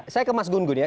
saya ke mas gun gun ya